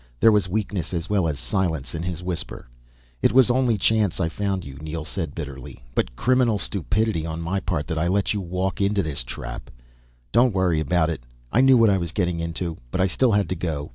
There was weakness as well as silence in his whisper. "It was only chance I found you," Neel said bitterly. "But criminal stupidity on my part that let you walk into this trap." "Don't worry about it, I knew what I was getting into. But I still had to go.